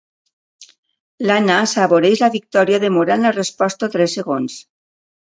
L'Anna assaboreix la victòria demorant la resposta tres segons.